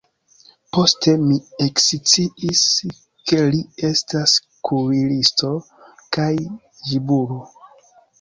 Poste mi eksciis, ke li estas kuiristo kaj ĝibulo.